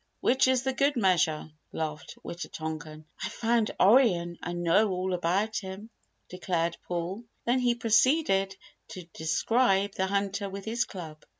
"Which is the good measure?" laughed Wita tonkan. "I found Orion and know all about him," declared Paul, then he proceeded to describe the Hunter with his Club.